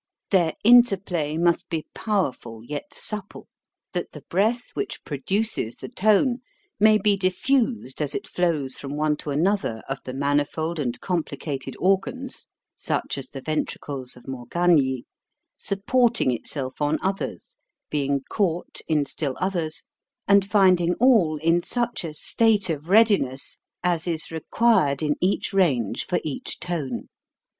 Their interplay must be powerful yet supple, that the breath which produces the tone may be diffused as it flows from one to another of the manifold and com plicated organs (such as the ventricles of Mor gagni), supporting itself on others, being caught in still others, and finding all in such a state of readiness as is required in each range for each tone.